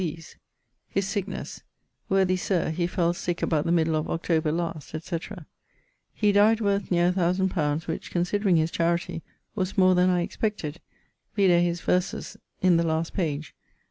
these.' (His sicknesse) 'Worthy sir he fell sick about the middle of October last,' etc. ☞ 'He dyed worth neer 1000 li., which (considering his charity) was more then I expected: vide his verses in the last page.